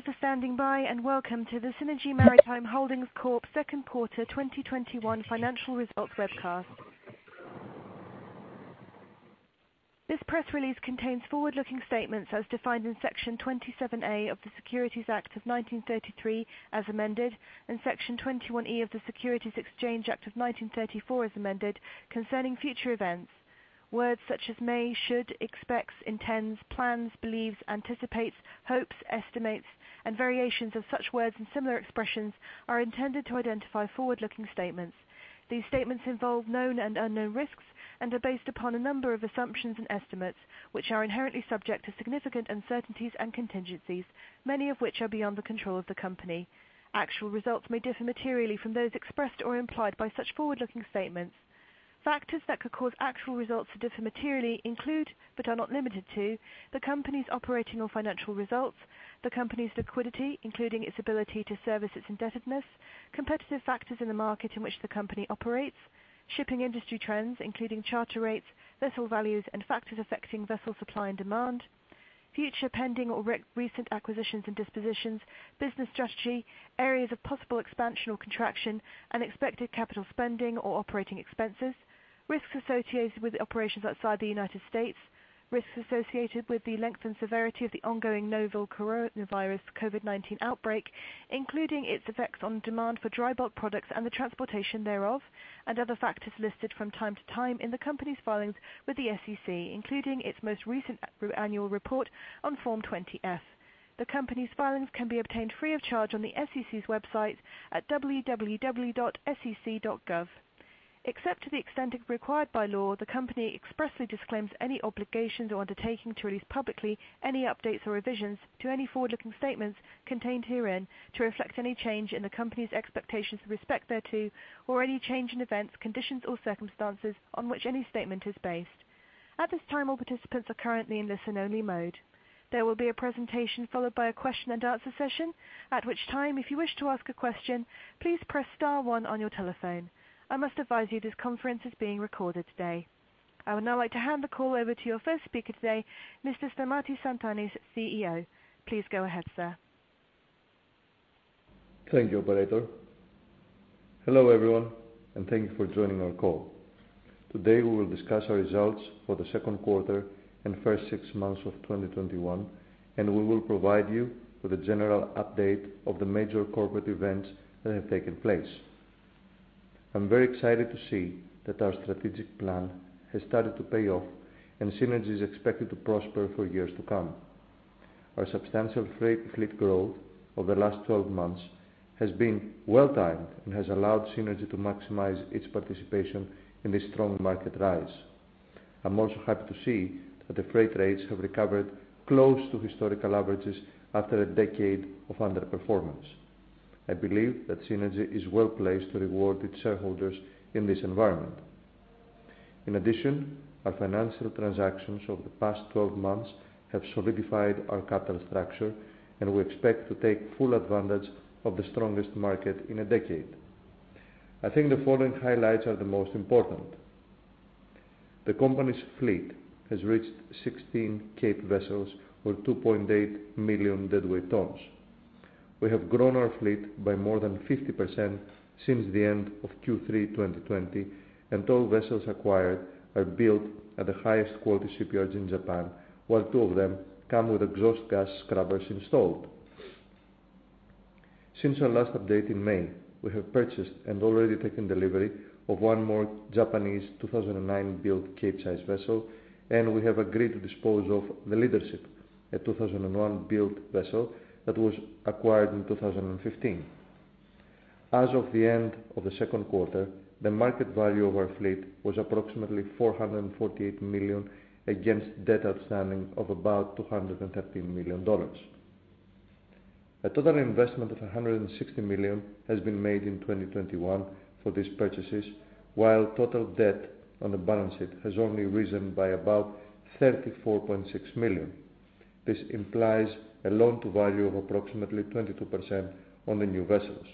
Thank you for standing by, and welcome to the Seanergy Maritime Holdings Corp. second quarter 2021 financial results webcast. This press release contains forward-looking statements as defined in Section 27A of the Securities Act of 1933, as amended, and Section 21E of the Securities Exchange Act of 1934, as amended, concerning future events. Words such as may, should, expects, intends, plans, believes, anticipates, hopes, estimates, and variations of such words and similar expressions are intended to identify forward-looking statements. These statements involve known and unknown risks and are based upon a number of assumptions and estimates, which are inherently subject to significant uncertainties and contingencies, many of which are beyond the control of the company. Actual results may differ materially from those expressed or implied by such forward-looking statements. Factors that could cause actual results to differ materially include, but are not limited to, the company's operating or financial results, the company's liquidity, including its ability to service its indebtedness, competitive factors in the market in which the company operates, shipping industry trends, including charter rates, vessel values, and factors affecting vessel supply and demand, future pending or recent acquisitions and dispositions, business strategy, areas of possible expansion or contraction, and expected capital spending or operating expenses, risks associated with operations outside the United States, risks associated with the length and severity of the ongoing novel coronavirus COVID-19 outbreak, including its effects on demand for dry bulk products and the transportation thereof, and other factors listed from time to time in the company's filings with the SEC, including its most recent annual report on Form 20-F. The company's filings can be obtained free of charge on the SEC's website at www.sec.gov. Except to the extent required by law, the company expressly disclaims any obligations or undertaking to release publicly any updates or revisions to any forward-looking statements contained herein to reflect any change in the company's expectations with respect thereto, or any change in events, conditions, or circumstances on which any statement is based. I would now like to hand the call over to your first speaker today, Mr. Stamatis Tsantanis, CEO. Please go ahead, sir. Thank you, operator. Hello, everyone, and thank you for joining our call. Today, we will discuss our results for the second quarter and first six months of 2021, and we will provide you with a general update of the major corporate events that have taken place. I'm very excited to see that our strategic plan has started to pay off, and Seanergy is expected to prosper for years to come. Our substantial freight fleet growth over the last 12 months has been well-timed and has allowed Seanergy to maximize its participation in this strong market rise. I'm also happy to see that the freight rates have recovered close to historical averages after a decade of underperformance. I believe that Seanergy is well-placed to reward its shareholders in this environment. Our financial transactions over the past 12 months have solidified our capital structure, and we expect to take full advantage of the strongest market in a decade. I think the following highlights are the most important. The company's fleet has reached 16 Capesize vessels or 2.8 million deadweight tons. We have grown our fleet by more than 50% since the end of Q3 2020. All vessels acquired are built at the highest quality shipyards in Japan, while two of them come with exhaust gas scrubbers installed. Since our last update in May, we have purchased and already taken delivery of one more Japanese 2009-built Capesize vessel, and we have agreed to dispose of the Leadership, a 2001-built vessel that was acquired in 2015. As of the end of the second quarter, the market value of our fleet was approximately $448 million against debt outstanding of about $213 million. A total investment of $160 million has been made in 2021 for these purchases, while total debt on the balance sheet has only risen by about $34.6 million. This implies a loan-to-value of approximately 22% on the new vessels.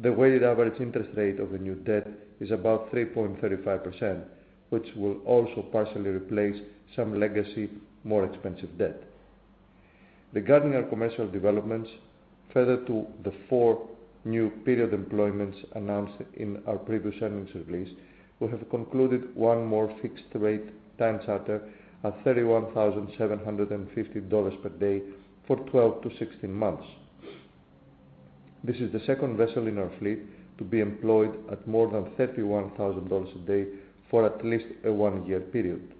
The weighted average interest rate of the new debt is about 3.35%, which will also partially replace some legacy, more expensive debt. Regarding our commercial developments, further to the four new period employments announced in our previous earnings release, we have concluded one more fixed-rate time charter at $31,750 per day for 12 to 16 months. This is the second vessel in our fleet to be employed at more than $31,000 a day for at least a one-year period.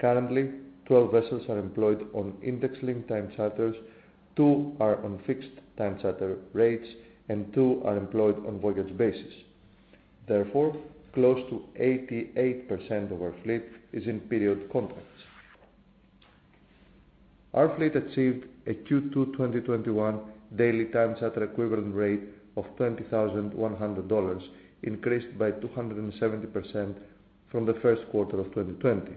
Currently, 12 vessels are employed on index-linked time charters, 2 are on fixed time charter rates, and 2 are employed on voyage basis. Close to 88% of our fleet is in period contracts. Our fleet achieved a Q2 2021 daily time charter equivalent rate of $20,100, increased by 270% from the first quarter of 2020.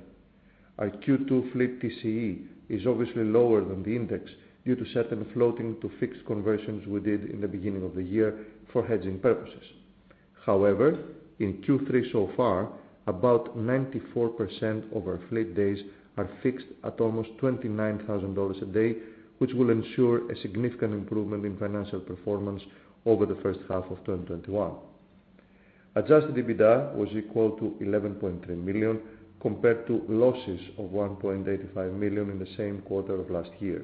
Our Q2 fleet TCE is obviously lower than the index due to certain floating-to-fixed conversions we did in the beginning of the year for hedging purposes. In Q3 so far, about 94% of our fleet days are fixed at almost $29,000 a day, which will ensure a significant improvement in financial performance over the first half of 2021. Adjusted EBITDA was equal to $11.3 million, compared to losses of $1.85 million in the same quarter of last year.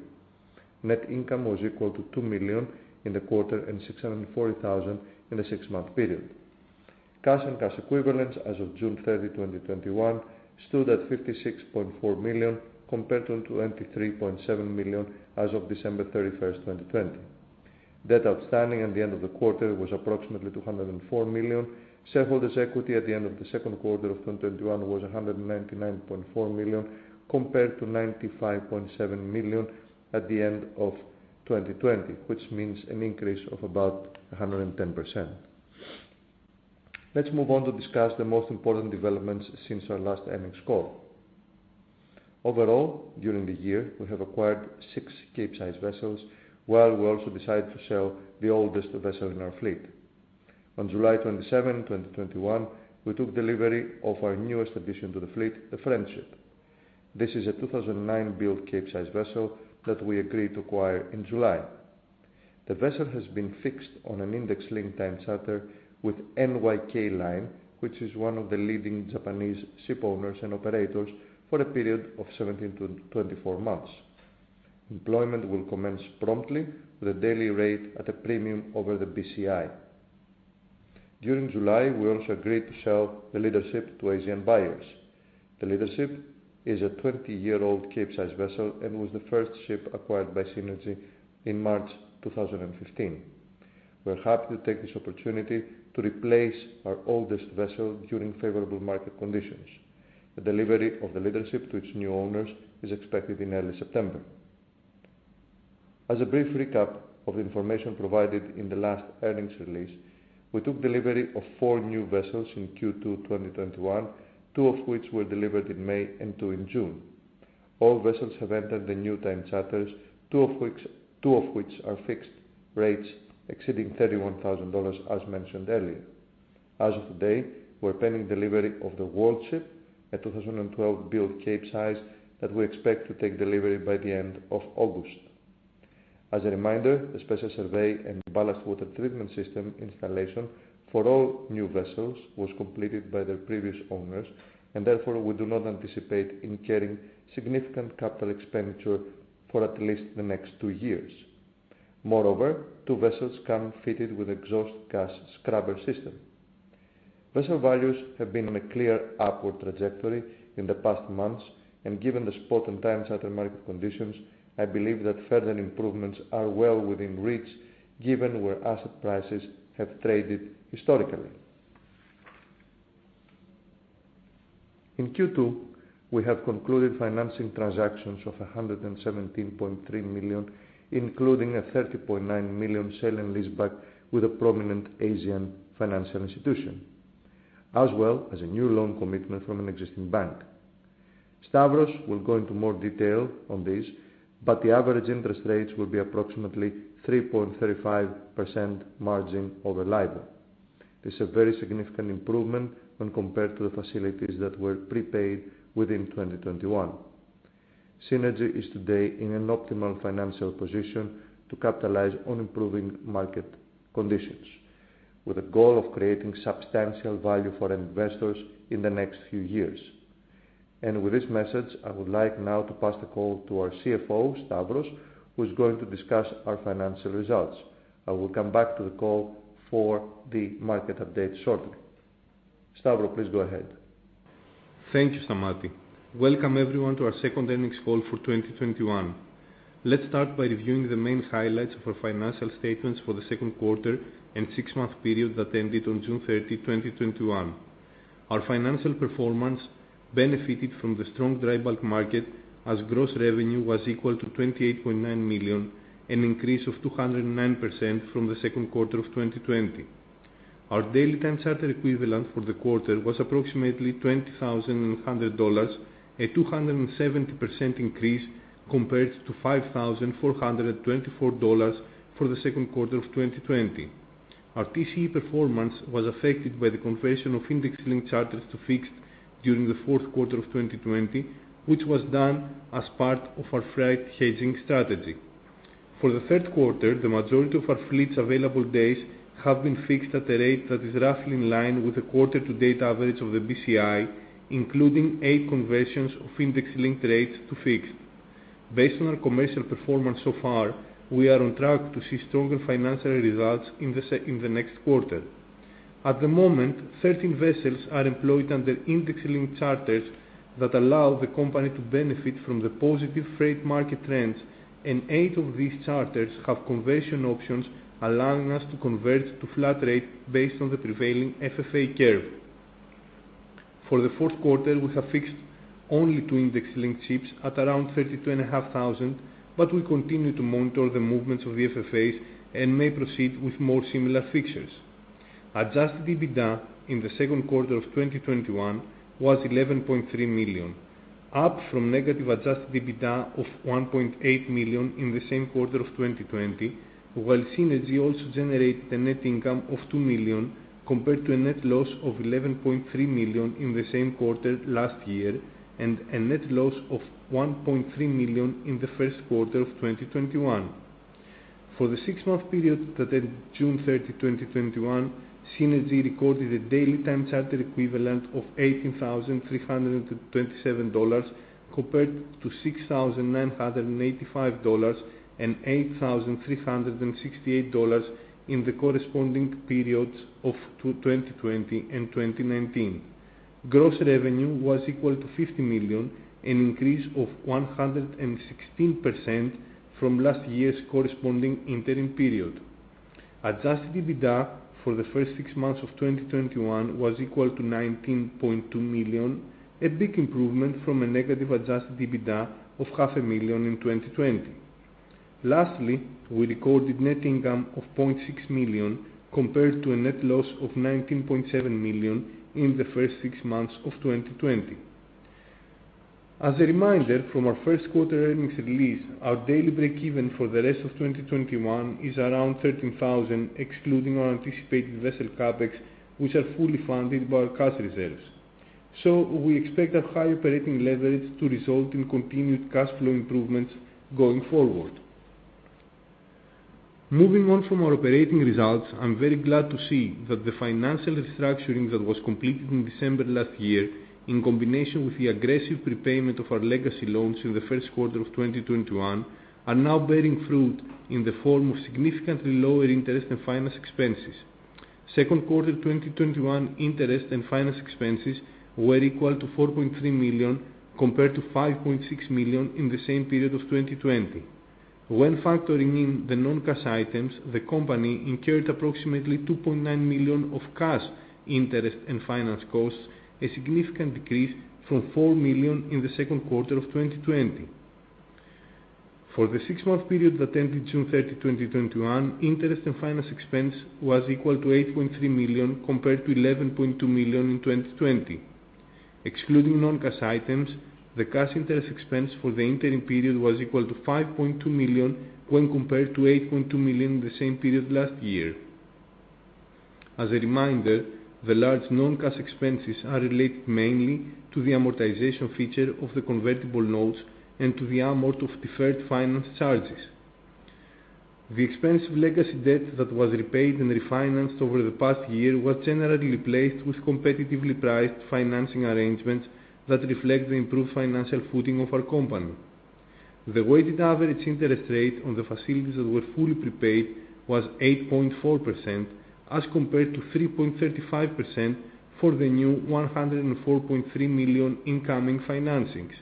Net income was equal to $2 million in the quarter and $640,000 in the six-month period. Cash and cash equivalents as of June 30, 2021, stood at $56.4 million compared to $23.7 million as of December 31, 2020. Debt outstanding at the end of the quarter was approximately $204 million. Shareholders' equity at the end of the second quarter of 2021 was $199.4 million, compared to $95.7 million at the end of 2020, which means an increase of about 110%. Let's move on to discuss the most important developments since our last earnings call. Overall, during the year, we have acquired six Capesize vessels, while we also decided to sell the oldest vessel in our fleet. On July 27, 2021, we took delivery of our newest addition to the fleet, the Friendship. This is a 2009-built Capesize vessel that we agreed to acquire in July. The vessel has been fixed on an index-link time charter with NYK Line, which is one of the leading Japanese shipowners and operators for a period of 17-24 months. Employment will commence promptly with a daily rate at a premium over the BCI. During July, we also agreed to sell the Leadership to Asian buyers. The Leadership is a 20-year-old Capesize vessel and was the first ship acquired by Seanergy in March 2015. We are happy to take this opportunity to replace our oldest vessel during favorable market conditions. The delivery of the Leadership to its new owners is expected in early September. As a brief recap of the information provided in the last earnings release, we took delivery of four new vessels in Q2 2021, two of which were delivered in May and two in June. All vessels have entered the new time charters, two of which are fixed rates exceeding $31,000, as mentioned earlier. As of today, we're pending delivery of the WORLDSHIP, a 2012 build Capesize that we expect to take delivery by the end of August. As a reminder, the special survey and ballast water treatment system installation for all new vessels was completed by their previous owners, and therefore we do not anticipate incurring significant capital expenditure for at least the next two years. Moreover, two vessels come fitted with exhaust gas scrubber system. Vessel values have been on a clear upward trajectory in the past months, and given the spot and time charter market conditions, I believe that further improvements are well within reach given where asset prices have traded historically. In Q2, we have concluded financing transactions of $117.3 million, including a $30.9 million sale and leaseback with a prominent Asian financial institution, as well as a new loan commitment from an existing bank. Stavros will go into more detail on this, but the average interest rates will be approximately 3.35% margin over LIBOR. This is a very significant improvement when compared to the facilities that were prepaid within 2021. Seanergy is today in an an optimal financial position to capitalize on improving market conditions with the goal of creating substantial value for our investors in the next few years. With this message, I would like now to pass the call to our CFO, Stavros, who is going to discuss our financial results. I will come back to the call for the market update shortly. Stavros, please go ahead. Thank you, Stamatis. Welcome, everyone, to our second earnings call for 2021. Let's start by reviewing the main highlights of our financial statements for the second quarter and six-month period that ended on June 30, 2021. Our financial performance benefited from the strong dry bulk market as gross revenue was equal to $28.9 million, an increase of 209% from the second quarter of 2020. Our daily time charter equivalent for the quarter was approximately $20,100, a 270% increase compared to $5,424 for the second quarter of 2020. Our TCE performance was affected by the conversion of index-linked charters to fixed during the fourth quarter of 2020, which was done as part of our freight hedging strategy. For the third quarter, the majority of our fleet's available days have been fixed at a rate that is roughly in line with the quarter-to-date average of the BCI, including eight conversions of index-linked rates to fixed. Based on our commercial performance so far, we are on track to see stronger financial results in the next quarter. At the moment, 13 vessels are employed under index-linked charters that allow the company to benefit from the positive freight market trends, and eight of these charters have conversion options allowing us to convert to flat rate based on the prevailing FFA curve. For the fourth quarter, we have fixed only two index-linked ships at around $32,500, but we continue to monitor the movements of the FFAs and may proceed with more similar fixtures. Adjusted EBITDA in the second quarter of 2021 was $11.3 million, up from negative adjusted EBITDA of $1.8 million in the same quarter of 2020, while Seanergy also generated a net income of $2 million compared to a net loss of $11.3 million in the same quarter last year and a net loss of $1.3 million in the first quarter of 2021. For the six-month period that ended June 30, 2021, Seanergy recorded a daily time charter equivalent of $18,327 compared to $6,985 and $8,368 in the corresponding periods of 2020 and 2019. Gross revenue was equal to $50 million, an increase of 116% from last year's corresponding interim period. Adjusted EBITDA for the first six months of 2021 was equal to $19.2 million, a big improvement from a negative adjusted EBITDA of half a million in 2020. Lastly, we recorded net income of $0.6 million compared to a net loss of $19.7 million in the first six months of 2020. As a reminder from our first quarter earnings release, our daily break-even for the rest of 2021 is around $13,000, excluding our anticipated vessel CapEx, which are fully funded by our cash reserves. We expect our high operating leverage to result in continued cash flow improvements going forward. Moving on from our operating results, I'm very glad to see that the financial restructuring that was completed in December last year, in combination with the aggressive prepayment of our legacy loans in the first quarter of 2021, are now bearing fruit in the form of significantly lower interest and finance expenses. Second quarter 2021 interest and finance expenses were equal to $4.3 million, compared to $5.6 million in the same period of 2020. When factoring in the non-cash items, the company incurred approximately $2.9 million of cash interest and finance costs, a significant decrease from $4 million in the second quarter of 2020. For the six-month period that ended June 30, 2021, interest and finance expense was equal to $8.3 million compared to $11.2 million in 2020. Excluding non-cash items, the cash interest expense for the interim period was equal to $5.2 million when compared to $8.2 million in the same period last year. As a reminder, the large non-cash expenses are related mainly to the amortization feature of the convertible notes and to the amort of deferred finance charges. The expensive legacy debt that was repaid and refinanced over the past year was generally replaced with competitively priced financing arrangements that reflect the improved financial footing of our company. The weighted average interest rate on the facilities that were fully prepaid was 8.4%, as compared to 3.35% for the new $104.3 million incoming financings.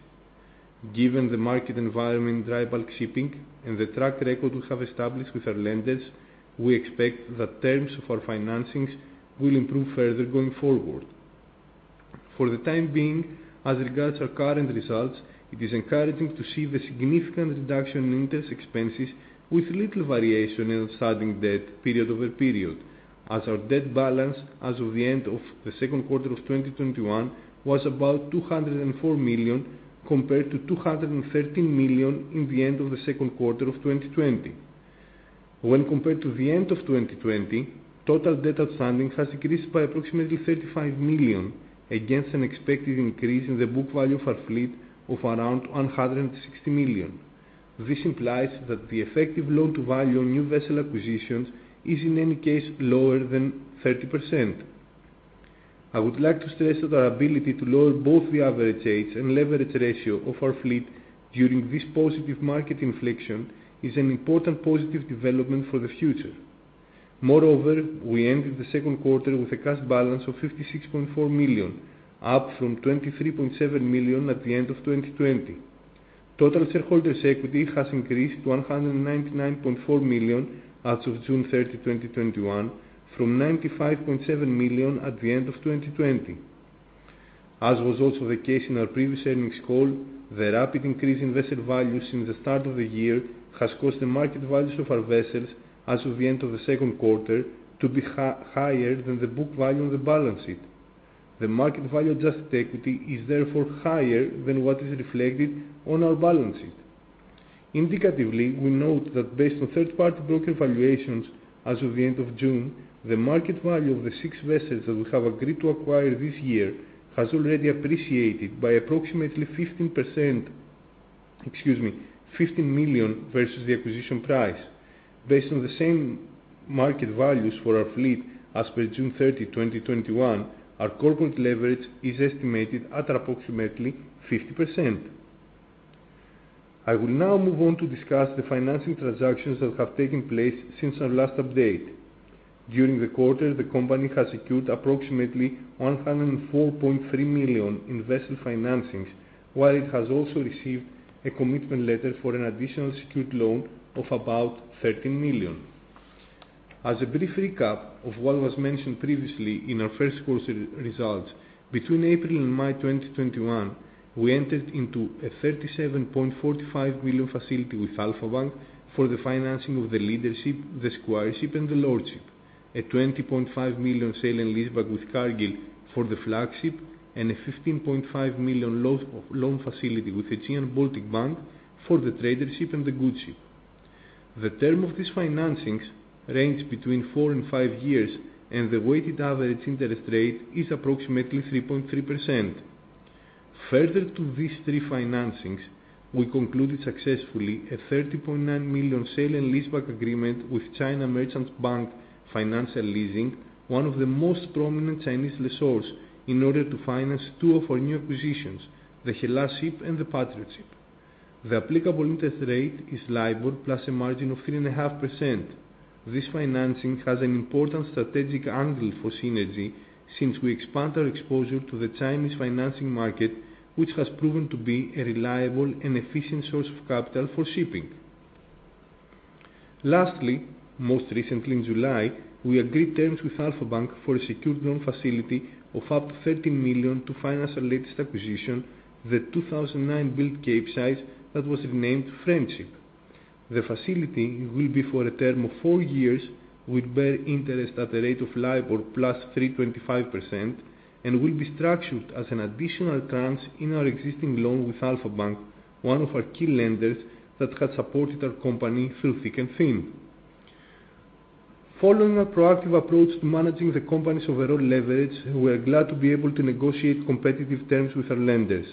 Given the market environment in dry bulk shipping and the track record we have established with our lenders, we expect that terms of our financings will improve further going forward. For the time being, as regards our current results, it is encouraging to see the significant reduction in interest expenses with little variation in outstanding debt period over period, as our debt balance as of the end of the second quarter of 2021 was about $204 million compared to $213 million in the end of the second quarter of 2020. When compared to the end of 2020, total debt outstanding has increased by approximately $35 million against an expected increase in the book value of our fleet of around $160 million. This implies that the effective loan-to-value on new vessel acquisitions is in any case lower than 30%. I would like to stress that our ability to lower both the average age and leverage ratio of our fleet during this positive market inflection is an important positive development for the future. We ended the second quarter with a cash balance of $56.4 million, up from $23.7 million at the end of 2020. Total shareholders' equity has increased to $199.4 million as of June 30, 2021, from $95.7 million at the end of 2020. As was also the case in our previous earnings call, the rapid increase in vessel value since the start of the year has caused the market values of our vessels as of the end of the second quarter to be higher than the book value on the balance sheet. The market value adjusted equity is therefore higher than what is reflected on our balance sheet. Indicatively, we note that based on third-party broker valuations as of the end of June, the market value of the six vessels that we have agreed to acquire this year has already appreciated by approximately $15 million versus the acquisition price. Based on the same market values for our fleet as per June 30, 2021, our corporate leverage is estimated at approximately 50%. I will now move on to discuss the financing transactions that have taken place since our last update. During the quarter, the company has secured approximately $104.3 million in vessel financings, while it has also received a commitment letter for an additional secured loan of about $13 million. As a brief recap of what was mentioned previously in our first quarter results, between April and May 2021, we entered into a $37.45 million facility with Alpha Bank for the financing of the Leadership, the SQUIRESHIP, and the LORDSHIP. A $20.5 million sale and lease back with Cargill for the Flagship and a $15.5 million loan facility with Aegean Baltic Bank for the Tradership and the GOODSHIP. The term of these financings range between four and five years, and the weighted average interest rate is approximately 3.3%. Further to these three financings, we concluded successfully a $30.9 million sale and lease back agreement with China Merchants Bank Financial Leasing, one of the most prominent Chinese lessors, in order to finance two of our new acquisitions, the HELLASSHIP and the PATRIOTSHIP. The applicable interest rate is LIBOR, plus a margin of 3.5%. This financing has an important strategic angle for Seanergy since we expand our exposure to the Chinese financing market, which has proven to be a reliable and efficient source of capital for shipping. Lastly, most recently in July, we agreed terms with Alpha Bank for a secured loan facility of up to $30 million to finance our latest acquisition, the 2009-built Capesize that was renamed Friendship. The facility will be for a term of four years, will bear interest at a rate of LIBOR plus 3.25%, and will be structured as an additional tranche in our existing loan with Alpha Bank, one of our key lenders that has supported our company through thick and thin. Following a proactive approach to managing the company's overall leverage, we are glad to be able to negotiate competitive terms with our lenders.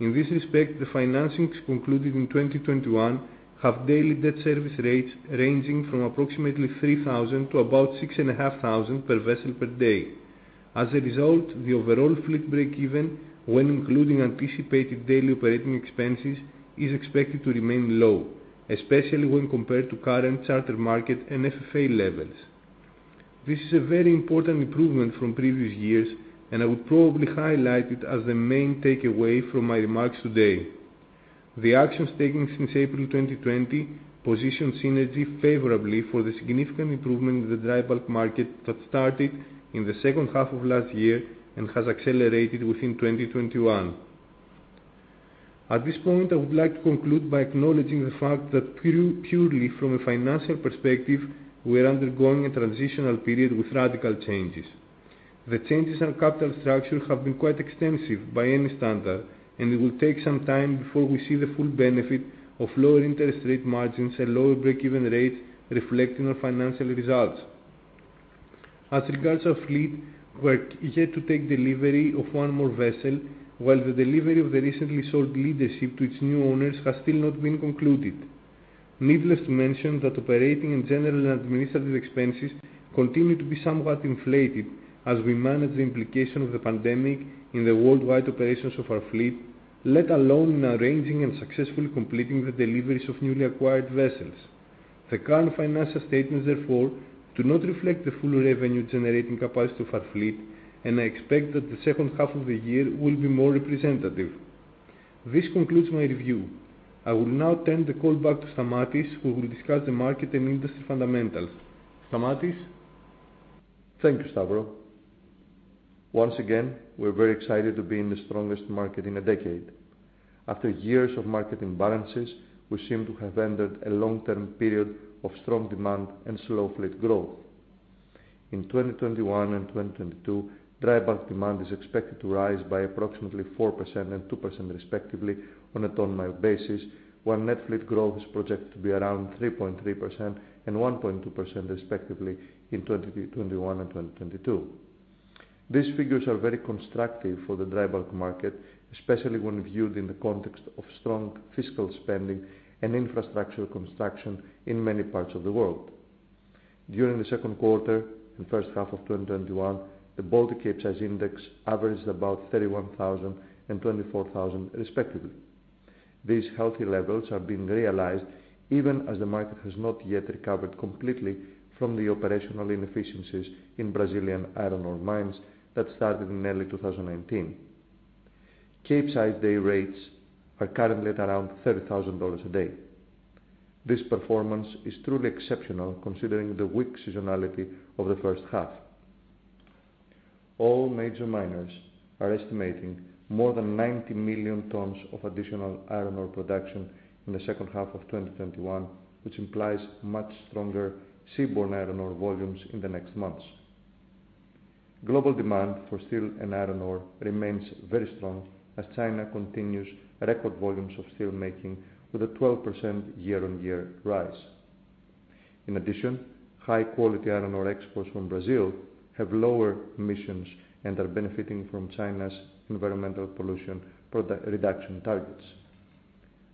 In this respect, the financings concluded in 2021 have daily debt service rates ranging from approximately $3,000 to about $6,500 per vessel per day. As a result, the overall fleet break even, when including anticipated daily operating expenses, is expected to remain low, especially when compared to current charter market and FFA levels. This is a very important improvement from previous years, and I would probably highlight it as the main takeaway from my remarks today. The actions taken since April 2020 position Seanergy favorably for the significant improvement in the dry bulk market that started in the second half of last year and has accelerated within 2021. At this point, I would like to conclude by acknowledging the fact that purely from a financial perspective, we are undergoing a transitional period with radical changes. The changes in our capital structure have been quite extensive by any standard, and it will take some time before we see the full benefit of lower interest rate margins and lower break-even rates reflected in our financial results. As regards our fleet, we are yet to take delivery of one more vessel, while the delivery of the recently sold Leadership to its new owners has still not been concluded. Needless to mention that operating and general administrative expenses continue to be somewhat inflated as we manage the implication of the pandemic in the worldwide operations of our fleet, let alone in arranging and successfully completing the deliveries of newly acquired vessels. The current financial statements, therefore, do not reflect the full revenue-generating capacity of our fleet, and I expect that the second half of the year will be more representative. This concludes my review. I will now turn the call back to Stamatis, who will discuss the market and industry fundamentals. Stamatis? Thank you, Stavro. Once again, we're very excited to be in the strongest market in a decade. After years of market imbalances, we seem to have entered a long-term period of strong demand and slow fleet growth. In 2021 and 2022, dry bulk demand is expected to rise by approximately 4% and 2% respectively on a ton-mile basis, while net fleet growth is projected to be around 3.3% and 1.2% respectively in 2021 and 2022. These figures are very constructive for the dry bulk market, especially when viewed in the context of strong fiscal spending and infrastructure construction in many parts of the world. During the second quarter and first half of 2021, the Baltic Capesize Index averaged about 31,000 and 24,000 respectively. These healthy levels have been realized even as the market has not yet recovered completely from the operational inefficiencies in Brazilian iron ore mines that started in early 2019. Capesize day rates are currently at around $30,000 a day. This performance is truly exceptional considering the weak seasonality of the first half. All major miners are estimating more than 90 million tons of additional iron ore production in the second half of 2021, which implies much stronger seaborne iron ore volumes in the next months. Global demand for steel and iron ore remains very strong as China continues record volumes of steel making with a 12% year-on-year rise. In addition, high-quality iron ore exports from Brazil have lower emissions and are benefiting from China's environmental pollution reduction targets.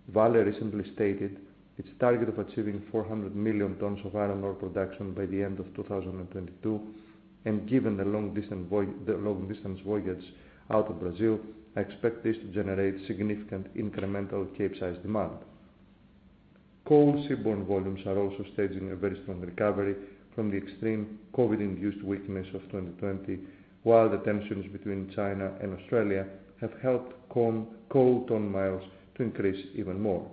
Vale recently stated its target of achieving 400 million tons of iron ore production by the end of 2022, and given the long-distance voyage out of Brazil, I expect this to generate significant incremental Capesize demand. Coal seaborne volumes are also staging a very strong recovery from the extreme COVID-19-induced weakness of 2020, while the tensions between China and Australia have helped coal ton-miles to increase even more.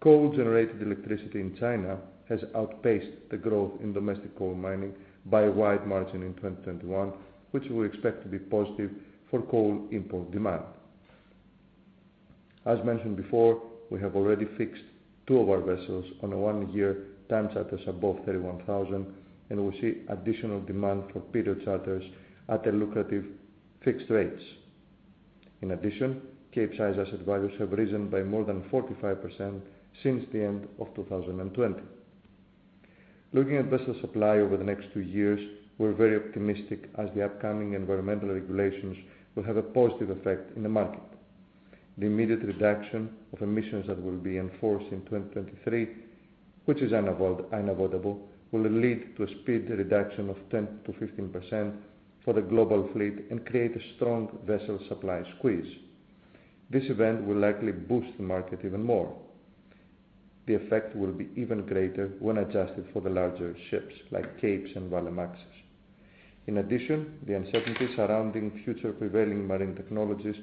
Coal-generated electricity in China has outpaced the growth in domestic coal mining by a wide margin in 2021, which we expect to be positive for coal import demand. As mentioned before, we have already fixed two of our vessels on a one-year time charters above $31,000, and we see additional demand for period charters at lucrative fixed rates. In addition, Capesize asset values have risen by more than 45% since the end of 2020. Looking at vessel supply over the next two years, we're very optimistic as the upcoming environmental regulations will have a positive effect on the market. The immediate reduction of emissions that will be enforced in 2023, which is unavoidable, will lead to a speed reduction of 10%-15% for the global fleet and create a strong vessel supply squeeze. This event will likely boost the market even more. The effect will be even greater when adjusted for the larger ships, like Capes and VLOCs. The uncertainty surrounding future prevailing marine technologies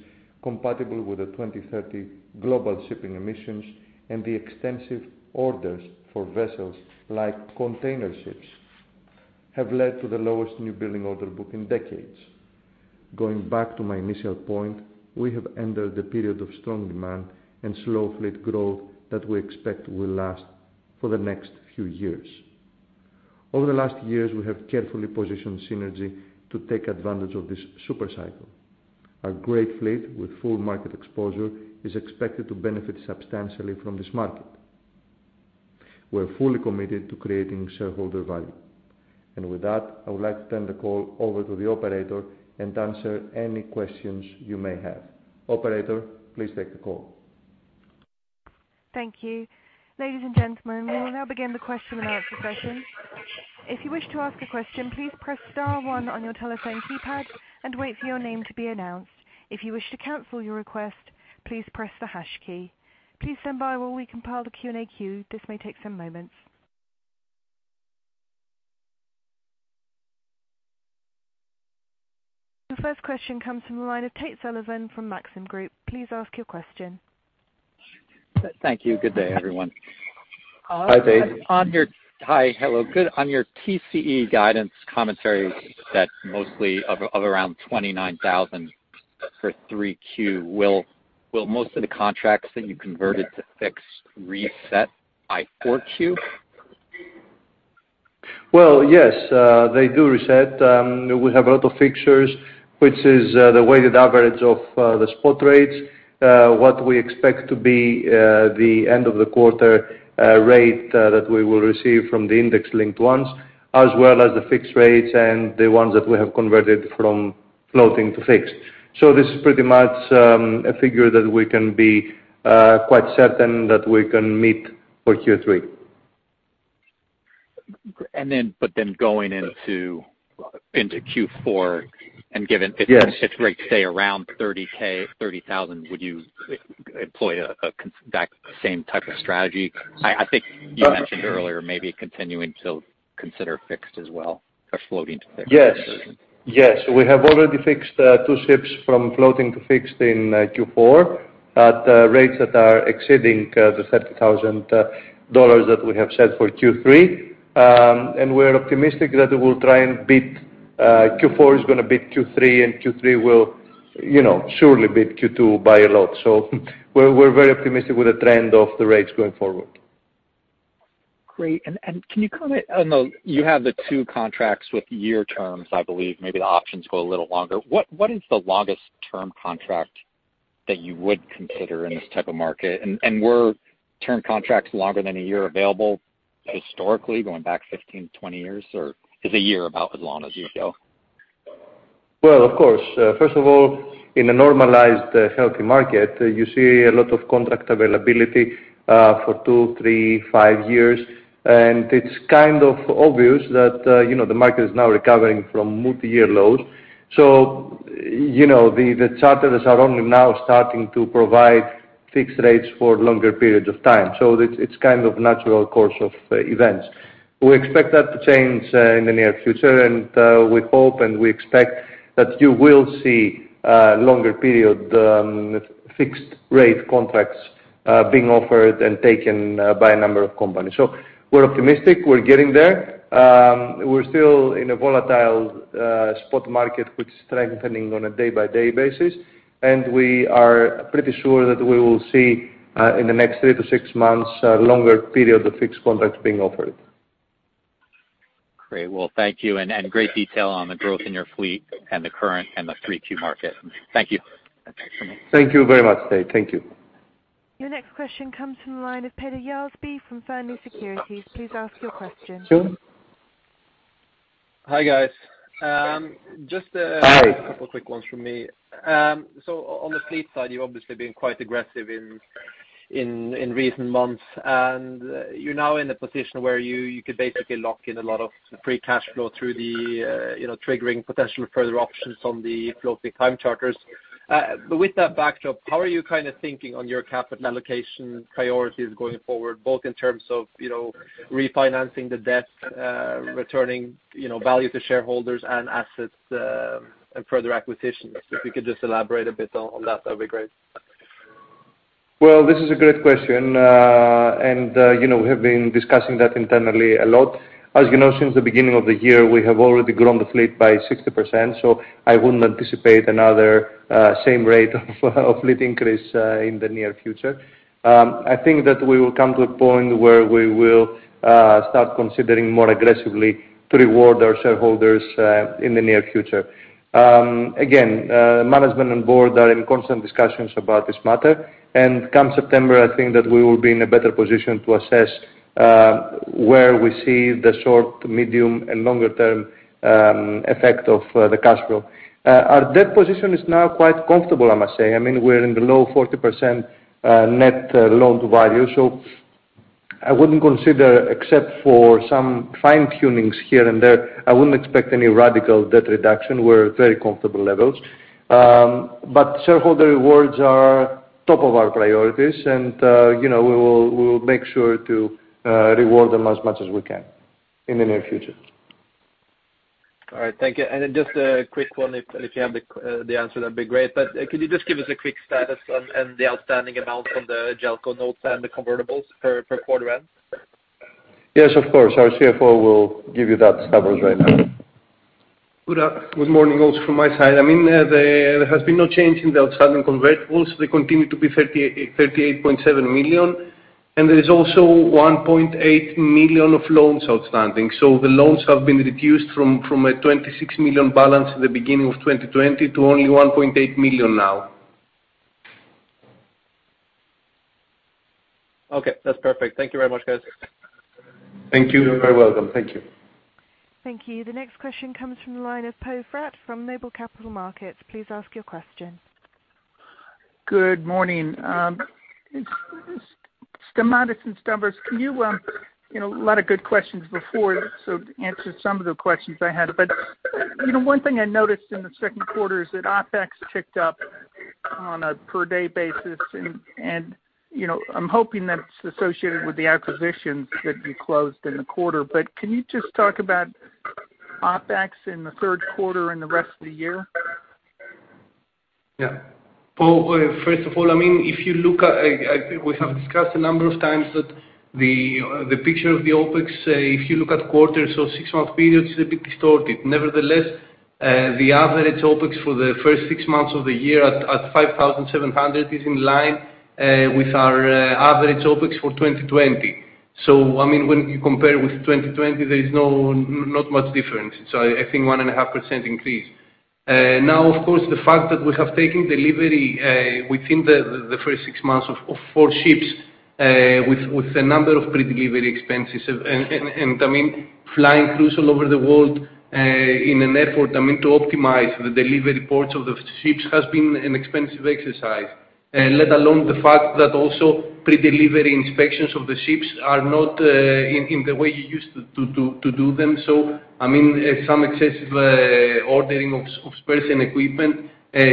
compatible with the 2030 global shipping emissions and the extensive orders for vessels like container ships have led to the lowest new building order book in decades. Going back to my initial point, we have entered a period of strong demand and slow fleet growth that we expect will last for the next few years. Over the last years, we have carefully positioned Seanergy to take advantage of this super cycle. Our great fleet with full market exposure is expected to benefit substantially from this market. We are fully committed to creating shareholder value. With that, I would like to turn the call over to the operator and answer any questions you may have. Operator, please take the call. Thank you. Ladies and gentlemen, we'll now begin the question and answer session. If you wish to ask a question, please press star one on your telephone keypad and wait for your name to be announced. If you wish to cancel your request, please press the hash key. Please stand by while we compile the Q&A queue. This may take some moments. The first question comes from the line of Tate Sullivan from Maxim Group. Please ask your question. Thank you. Good day, everyone. Hi, Tate. Hi. Hello. Good. On your TCE guidance commentary that mostly of around $29,000 for 3Q, will most of the contracts that you converted to fixed reset by 4Q? Well, yes. They do reset. We have a lot of fixtures, which is the weighted average of the spot rates, what we expect to be the end of the quarter rate that we will receive from the index-linked ones, as well as the fixed rates and the ones that we have converted from floating to fixed. This is pretty much a figure that we can be quite certain that we can meet for Q3. But then going into Q4 and given. Yes. If rates stay around $30,000, would you employ that same type of strategy? I think you mentioned earlier maybe continuing to consider fixed as well, or floating to fixed. Yes. We have already fixed two ships from floating to fixed in Q4 at rates that are exceeding the $30,000 that we have set for Q3. We're optimistic that Q4 is going to beat Q3, and Q3 will surely beat Q2 by a lot. We're very optimistic with the trend of the rates going forward. Great. Can you comment on, you have the two contracts with year terms, I believe, maybe the options go a little longer. What is the longest-term contract that you would consider in this type of market? Were term contracts longer than a year available historically going back 15, 20 years, or is a year about as long as you go? Well, of course. First of all, in a normalized, healthy market, you see a lot of contract availability for two, three, five years, and it's kind of obvious that the market is now recovering from multi-year lows. The charters are only now starting to provide fixed rates for longer periods of time. It's kind of natural course of events. We expect that to change in the near future, and we hope and we expect that you will see longer-period fixed rate contracts being offered and taken by a number of companies. We're optimistic. We're getting there. We're still in a volatile spot market, which is strengthening on a day-by-day basis, and we are pretty sure that we will see in the next three-six months, longer period of fixed contracts being offered. Great. Well, thank you, and great detail on the growth in your fleet and the current 3Q market. Thank you. Thank you very much, Tate. Thank you. Your next question comes from the line of Peter Wessel from Fearnley Securities. Please ask your question. Sure. Hi, guys. Hi. Couple quick ones from me. On the fleet side, you've obviously been quite aggressive in recent months, and you're now in a position where you could basically lock in a lot of free cash flow through the triggering potential further options on the floating time charters. With that backdrop, how are you thinking on your capital allocation priorities going forward, both in terms of refinancing the debt, returning value to shareholders and assets, and further acquisitions? If you could just elaborate a bit on that'd be great. Well, this is a great question. We have been discussing that internally a lot. As you know, since the beginning of the year, we have already grown the fleet by 60%. I wouldn't anticipate another same rate of fleet increase in the near future. I think that we will come to a point where we will start considering more aggressively to reward our shareholders in the near future. Again, management and board are in constant discussions about this matter. Come September, I think that we will be in a better position to assess where we see the short, medium, and longer term effect of the cash flow. Our debt position is now quite comfortable, I must say. We're in the low 40% net loan-to-value. I wouldn't consider except for some fine-tunings here and there, I wouldn't expect any radical debt reduction. We're at very comfortable levels. Shareholder rewards are top of our priorities, and we will make sure to reward them as much as we can in the near future. All right, thank you. Just a quick one, if you have the answer, that'd be great. Could you just give us a quick status on the outstanding amount from the Jelco notes and the convertibles for Q4 end? Yes, of course. Our CFO will give you that status right now. Good morning also from my side. There has been no change in the outstanding convertibles. They continue to be $38.7 million, and there is also $1.8 million of loans outstanding. The loans have been reduced from a $26 million balance at the beginning of 2020 to only $1.8 million now. Okay, that's perfect. Thank you very much, guys. Thank you. You are very welcome. Thank you. Thank you. The next question comes from the line of Poe Fratt from Noble Capital Markets. Please ask your question. Good morning. Stamatis and Stavros, a lot of good questions before, to answer some of the questions I had. One thing I noticed in the second quarter is that OpEx ticked up on a per-day basis, and I'm hoping that it's associated with the acquisitions that you closed in the quarter. Can you just talk about OpEx in the third quarter and the rest of the year? Poe, first of all, we have discussed a number of times that the picture of the OpEx, if you look at quarters or six-month periods, is a bit distorted. Nevertheless, the average OpEx for the first six months of the year at $5,700 is in line with our average OpEx for 2020. When you compare with 2020, there is not much difference. I think 1.5% increase. Of course, the fact that we have taken delivery within the first six months of four ships with a number of pre-delivery expenses, and flying crews all over the world in an effort to optimize the delivery ports of the ships has been an expensive exercise. Let alone the fact that also pre-delivery inspections of the ships are not in the way you used to do them. Some excessive ordering of spares and equipment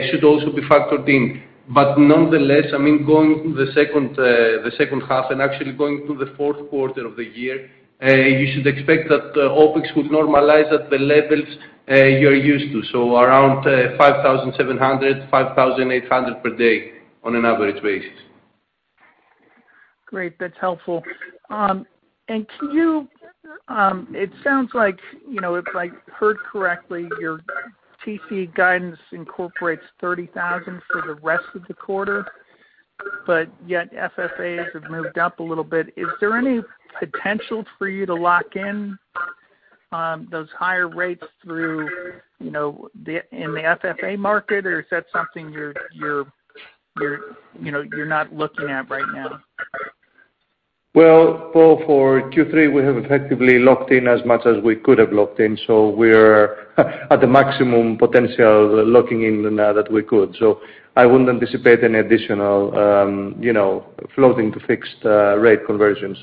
should also be factored in. Nonetheless, going into the second half and actually going into the fourth quarter of the year, you should expect that the OpEx would normalize at the levels you're used to, so around $5,700, $5,800 per day on an average basis. Great. That's helpful. It sounds like, if I heard correctly, your TC guidance incorporates $30,000 for the rest of the quarter, but yet FFAs have moved up a little bit. Is there any potential for you to lock in those higher rates in the FFA market, or is that something you're not looking at right now? Well, Poe, for Q3, we have effectively locked in as much as we could have locked in, so we're at the maximum potential locking in that we could. I wouldn't anticipate any additional floating to fixed rate conversions.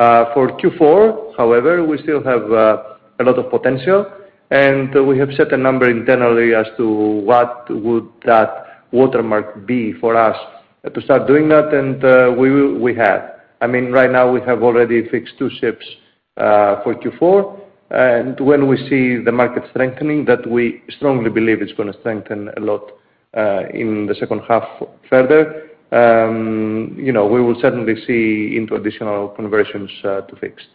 For Q4, however, we still have a lot of potential, and we have set a number internally as to what would that watermark be for us to start doing that, and we have. Right now, we have already fixed two ships for Q4, and when we see the market strengthening, that we strongly believe is going to strengthen a lot in the second half further, we will certainly see into additional conversions to fixed.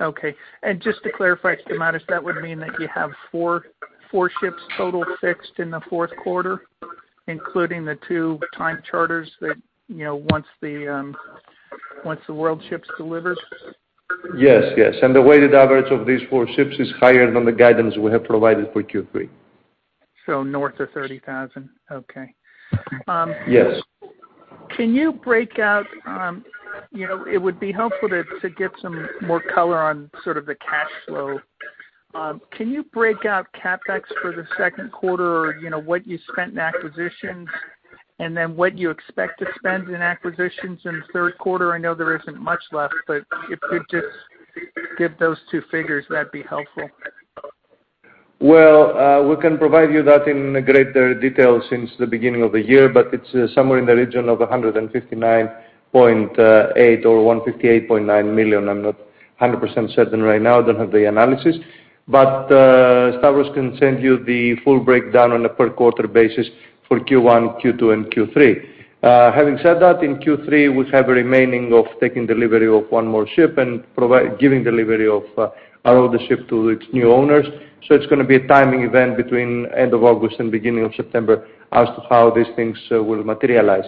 Okay. Just to clarify, Stamatis, that would mean that you have four ships total fixed in the fourth quarter, including the two time charters once the WORLDSHIP delivers? Yes. The weighted average of these four ships is higher than the guidance we have provided for Q3. North of $30,000. Okay. Yes. It would be helpful to get some more color on sort of the cash flow. Can you break out CapEx for the second quarter, or what you spent in acquisitions, and then what you expect to spend in acquisitions in the third quarter? I know there isn't much left, but if you'd just give those two figures, that'd be helpful. Well, we can provide you that in greater detail since the beginning of the year, but it's somewhere in the region of $159.8 million or $158.9 million. I'm not 100% certain right now, I don't have the analysis. Stavros can send you the full breakdown on a per quarter basis for Q1, Q2, and Q3. Having said that, in Q3, we have a remaining of taking delivery of one more ship and giving delivery of our older ship to its new owners. It's going to be a timing event between end of August and beginning of September as to how these things will materialize.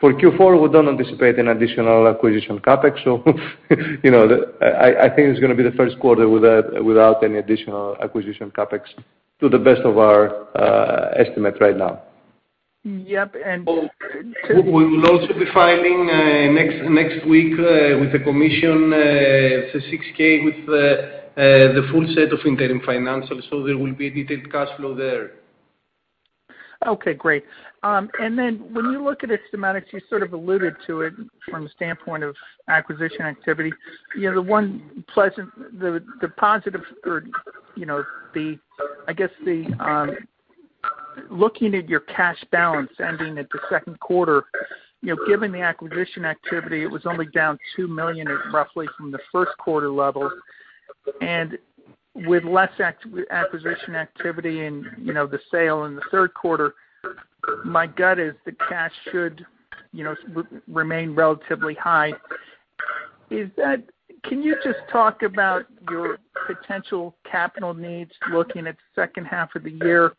For Q4, we don't anticipate an additional acquisition CapEx, so I think it's going to be the first quarter without any additional acquisition CapEx, to the best of our estimate right now. Yep. We will also be filing next week with the SEC, the 6-K with the full set of interim financials. There will be a detailed cash flow there. Okay, great. When you look at it, Stamatis, you sort of alluded to it from the standpoint of acquisition activity. The positive or looking at your cash balance ending at the second quarter, given the acquisition activity, it was only down $2 million roughly from the first quarter level. With less acquisition activity in the sale in the third quarter, my gut is the cash should remain relatively high. Can you just talk about your potential capital needs looking at second half of the year,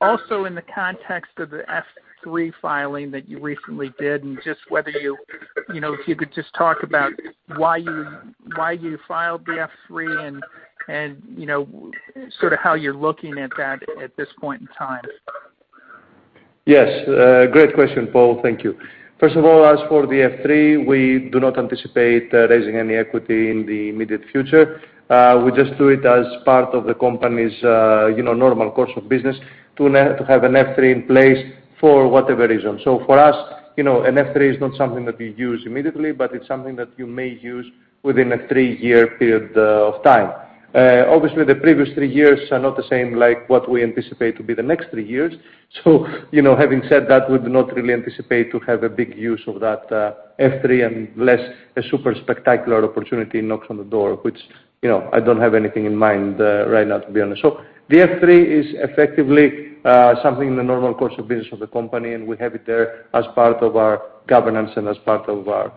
also in the context of the F-3 filing that you recently did, and just whether if you could just talk about why you filed the F-3 and sort of how you're looking at that at this point in time? Yes. Great question, Poe. Thank you. First of all, as for the F-3, we do not anticipate raising any equity in the immediate future. We just do it as part of the company's normal course of business to have an F-3 in place for whatever reason. For us, an F-3 is not something that we use immediately, but it's something that you may use within a three-year period of time. Obviously, the previous three years are not the same like what we anticipate to be the next three years. Having said that, we do not really anticipate to have a big use of that F-3, unless a super spectacular opportunity knocks on the door, which I don't have anything in mind right now, to be honest. The Form F-3 is effectively something in the normal course of business of the company, and we have it there as part of our governance and as part of our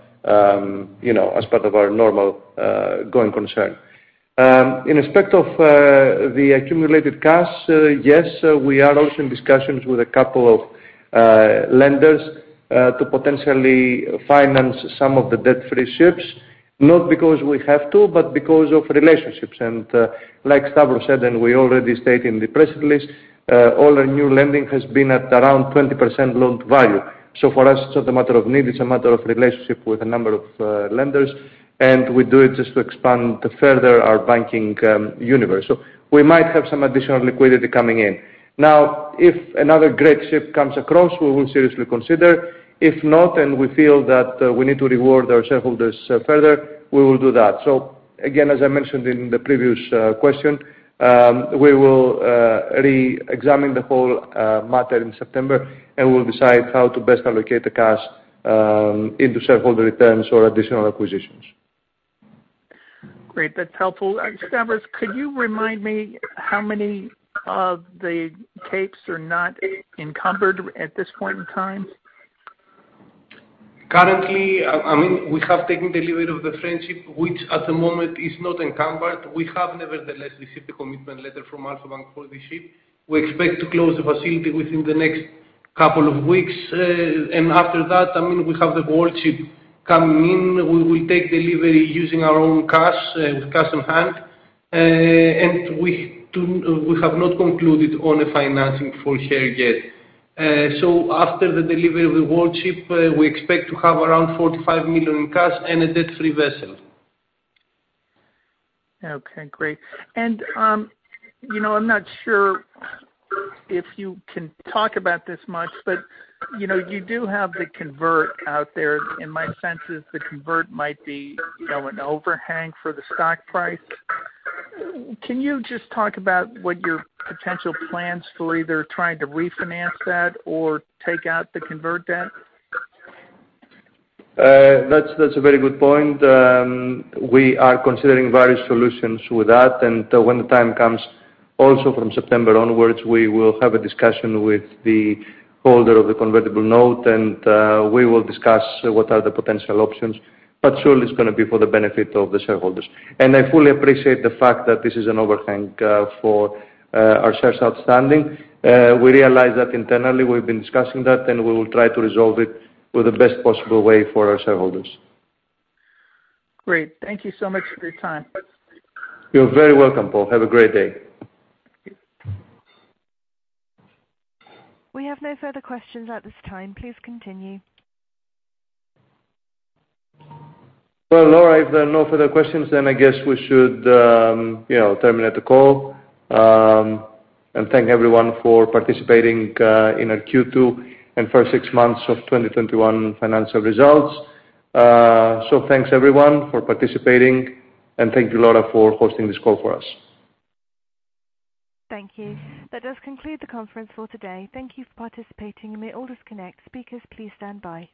normal going concern. In respect of the accumulated cash, yes, we are also in discussions with a couple of lenders to potentially finance some of the debt-free ships, not because we have to, but because of relationships. Like Stavros said, and we already state in the press release, all our new lending has been at around 20% loan-to-value. For us, it's not a matter of need, it's a matter of relationship with a number of lenders, and we do it just to expand further our banking universe. We might have some additional liquidity coming in. Now, if another great ship comes across, we will seriously consider. If not, and we feel that we need to reward our shareholders further, we will do that. Again, as I mentioned in the previous question, we will reexamine the whole matter in September, and we'll decide how to best allocate the cash into shareholder returns or additional acquisitions. Great. That's helpful. Stavros, could you remind me how many of the Capes are not encumbered at this point in time? Currently, we have taken delivery of the Friendship, which at the moment is not encumbered. We have nevertheless received a commitment letter from Alpha Bank for this ship. We expect to close the facility within the next couple of weeks. After that, we have the WORLDSHIP coming in. We will take delivery using our own cash, with cash on hand. We have not concluded on a financing for here yet. After the delivery of the WORLDSHIP, we expect to have around $45 million in cash and a debt-free vessel. Okay, great. I'm not sure if you can talk about this much, but you do have the convert out there, and my sense is the convert might be an overhang for the stock price. Can you just talk about what your potential plans for either trying to refinance that or take out the convert debt? That's a very good point. We are considering various solutions with that, and when the time comes, also from September onwards, we will have a discussion with the holder of the convertible note, and we will discuss what are the potential options. Surely it's going to be for the benefit of the shareholders. I fully appreciate the fact that this is an overhang for our shares outstanding. We realize that internally, we've been discussing that, and we will try to resolve it with the best possible way for our shareholders. Great. Thank you so much for your time. You're very welcome, Poe. Have a great day. Thank you. We have no further questions at this time. Please continue. Laura, if there are no further questions, I guess we should terminate the call. Thank everyone for participating in our Q2 and first six months of 2021 financial results. Thanks everyone for participating, and thank you, Laura, for hosting this call for us. Thank you. That does conclude the conference for today. Thank you for participating. You may all disconnect. Speakers, please stand by.